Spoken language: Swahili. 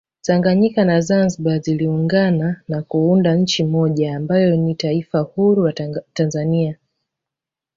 Tanganyika na zanzibar ziliungana na kuunda nchi moja ambayo ni taifa huru la Tanzania